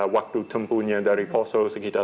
waktu tempuhnya dari poso sekitar